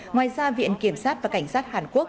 ngoài ra viện kiểm sát và cảnh sát hàn quốc